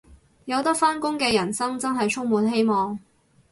有得返工嘅人生真係充滿希望